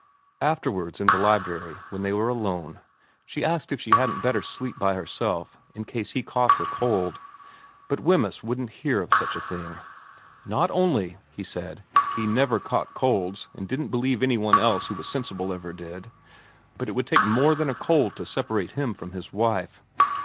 Afterwards in the library when they were alone, she asked if she hadn't better sleep by herself in case he caught her cold, but Wemyss wouldn't hear of such a thing. Not only, he said, he never caught colds and didn't believe any one else who was sensible ever did, but it would take more than a cold to separate him from his wife.